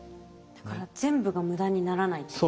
だから全部が無駄にならないってことですね。